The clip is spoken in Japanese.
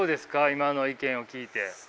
今の意見を聞いて。